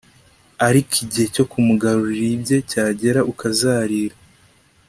ariko igihe cyo kumugarurira ibye cyagera, ukazarira